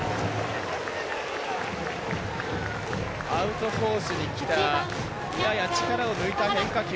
アウトコースにきたやや力を抜いた変化球。